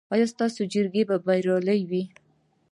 ایا ستاسو جرګې به بریالۍ وي؟